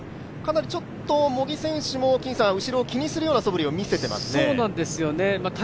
ちょっと茂木選手も後ろを気にするようなそぶりを見せていますね？